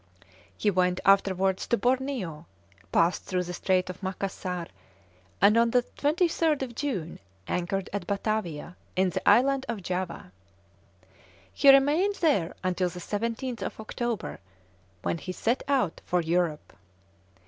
He went afterwards to Borneo, passed through the Strait of Macassar, and on the 23rd of June anchored at Batavia, in the Island of Java. He remained there until the 17th of October, when he set out for Europe.